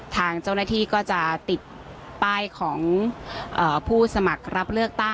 ทางเจ้าหน้าที่ก็จะติดป้ายของผู้สมัครรับเลือกตั้ง